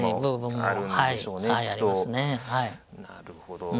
なるほど。